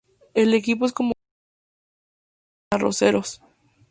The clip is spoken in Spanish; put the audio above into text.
El equipo es conocido como "Los Arroceros".